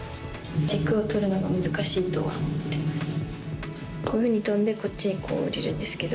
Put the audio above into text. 軸を取るのが難しいとは思ってます。